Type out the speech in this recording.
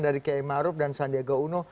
dari kiai maruf dan sandiaga uno